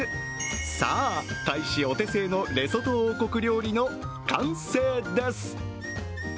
さあ、大使お手製のレソト王国料理の完成です。